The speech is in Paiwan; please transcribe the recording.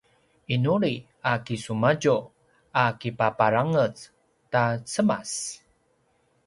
’inuli a kisumadju a kipaparangez ta cemas